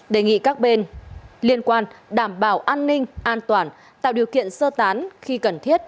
đề nghị các bên liên quan đảm bảo an ninh an toàn tạo điều kiện sơ tán khi cần thiết